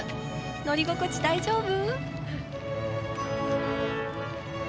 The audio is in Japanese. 乗り心地大丈夫？